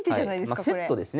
まあセットですね。